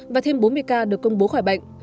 và thêm bốn mươi ca được công bố khỏi bệnh